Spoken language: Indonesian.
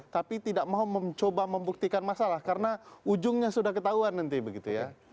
tapi tidak mau mencoba membuktikan masalah karena ujungnya sudah ketahuan nanti begitu ya